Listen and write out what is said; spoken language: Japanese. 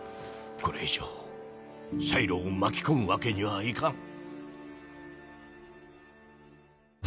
これ以上シャイロを巻き込むわけにはいかん。